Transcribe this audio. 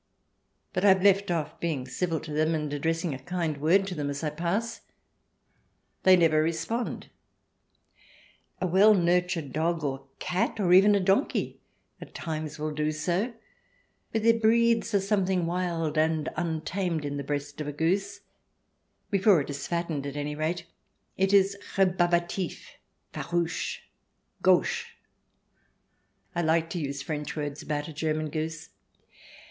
But I have left off being civil to them and addressing a kind word to them as I pass. They never respond. A well nurtured dog or a cat, or even a donkey, at times will do so, but there breathes a something wild and untamed in the breast of a goose — before it is fattened, at any rate. It is rebarbatif, farouche^ gauche. (I like to use French words about a German goose.)